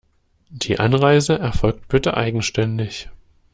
Die Anreise erfolgt bitte eigenständig.